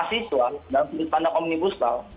masih suam dalam sudut pandang omnibus law